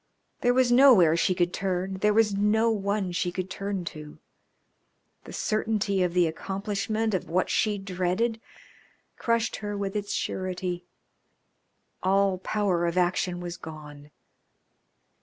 There was nowhere she could turn, there was no one she could turn to. The certainty of the accomplishment of what she dreaded crushed her with its surety. All power of action was gone.